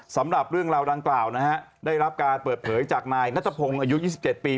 สำหรับเรื่องราวดังกล่าวนะฮะได้รับการเปิดเผยจากนายนัทพงศ์อายุ๒๗ปี